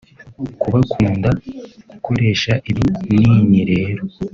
Ku bakunda gukoresha ibi binini rero